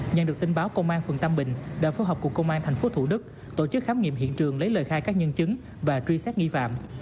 nhận được tin báo công an phường tam bình đã phối hợp cùng công an tp thủ đức tổ chức khám nghiệm hiện trường lấy lời khai các nhân chứng và truy xét nghi phạm